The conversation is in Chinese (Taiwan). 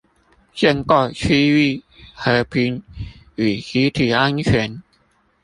建構區域和平與集體安全